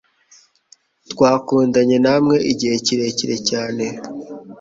Twakundanye namwe igihe kirekire cyane